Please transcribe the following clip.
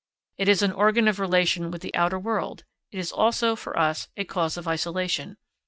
It is an organ of relation with the outer world; it is also, for us, a cause of isolation.